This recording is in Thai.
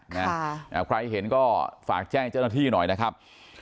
ใครเห็นก็ฝากแจ้งเจ้าหน้าที่หน่อยนะครับ